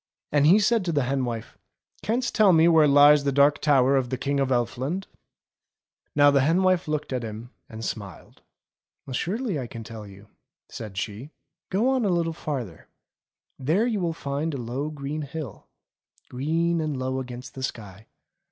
And he said to the hen wife, "Canst tell me where lies the Dark Tower of the King of Elfland .?" 282 ENGLISH FAIRY TALES Now the hen wife looked at him and smiled. "Surely I can tell you," said she; "go on a little farther. There you will find a low green hill ; green and low against the sky.